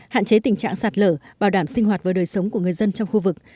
hạn chế tình trạng sạt lở bảo đảm sinh hoạt với đời sống của người dân trong khu vực